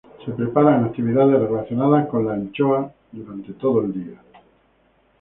Se preparan actividades relacionadas con la anchoa durante todo el día.